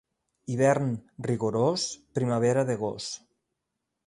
Hivern rigorós, primavera de gos.